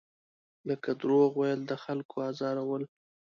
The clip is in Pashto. لکه دروغ ویل، د خلکو ازارول.